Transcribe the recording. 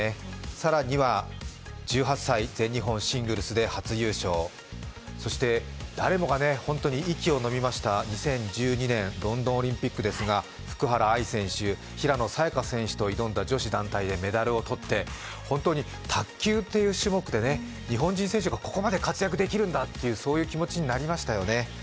更には１８歳、全日本シングルスで初優勝そして誰もが本当に息をのみました２０１２年ロンドンオリンピックですが、福原愛選手、平野早矢香選手と挑んでメダルをとって本当に卓球という種目で日本人選手がここまで活躍できるんだという、そういう気持ちになりましたよね。